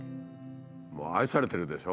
もう愛されてるでしょ。